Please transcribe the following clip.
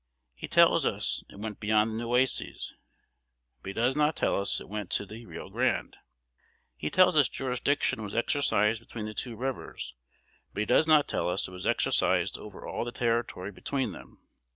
He tells us it went beyond the Nueces; but he does not tell us it went to the Rio Grande. He tells us jurisdiction was exercised between the two rivers; but he does not tell us it was exercised over all the territory between them.